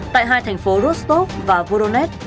tại hai thành phố rostov và voronezh